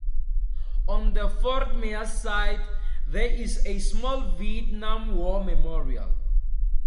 On the Fort Myers side, there is a small Vietnam War Memorial.